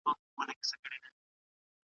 دولتي پوهنتون بې هدفه نه تعقیبیږي.